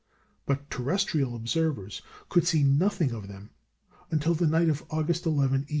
But terrestrial observers could see nothing of them until the night of August 11, 1877.